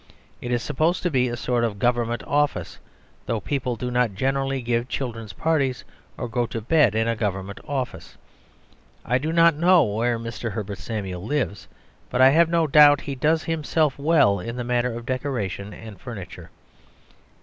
It is supposed to be a sort of Government office; though people do not generally give children's parties, or go to bed in a Government office. I do not know where Mr. Herbert Samuel lives; but I have no doubt he does himself well in the matter of decoration and furniture.